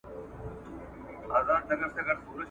مېله وال د شاله مار یو ګوندي راسي !.